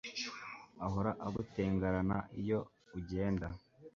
Ahora agutengarana iyo ugenda